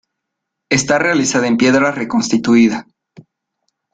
Está realizada en piedra reconstituida.